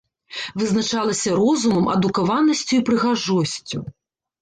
Вызначалася розумам, адукаванасцю і прыгажосцю.